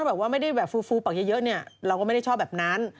แบบว่าไม่ได้แบบฟูปากเยอะเนี่ยเราก็ไม่ได้ชอบแบบนั้น